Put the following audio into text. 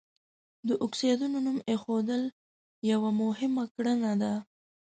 د اکسایډونو نوم ایښودل یوه مهمه کړنه ده.